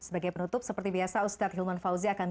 bapak pemirsa jangan kemana mana